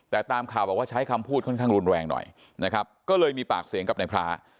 แต่ตามข่าวบอกว่าใช้คำพูดค่อนข้างรุนแรงหน่อยนะครับก็เลยมีปากเสียงกับนายพระ